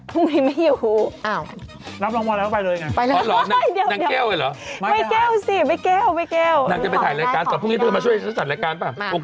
รอนกิวกินเจ็บนั่วกินอาหารเย็น